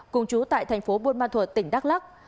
cùng chú tại tp bôn ma thuật tp hcm